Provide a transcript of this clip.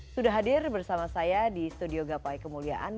sudah hadir bersama saya di studio gapai kemuliaan